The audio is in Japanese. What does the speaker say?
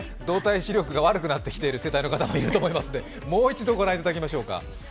動体視力が悪くなってきている世代の方もいると思うのでもう一度御覧いただきましょうか。